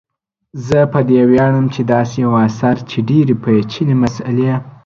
زه په دې ویاړم چي داسي یو اثر چي ډیري پیچلي مسالې